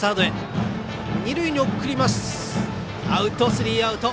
スリーアウト。